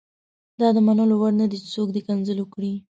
دا د منلو وړ نه دي چې څوک دې کنځل وکړي.